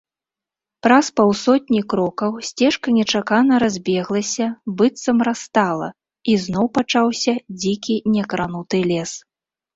Праз паўсотні крокаў сцежка нечакана разбеглася, быццам растала, і зноў пачаўся дзікі някрануты лес.